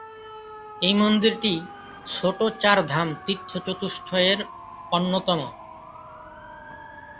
এই মন্দিরটি ছোট চার ধাম তীর্থ-চতুষ্টয়ের অন্যতম।